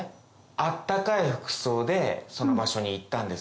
暖かい服装でその場所に行ったんです。